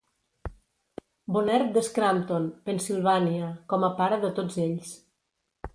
Bonnert de Scranton, Pennsilvània com a pare de tots ells.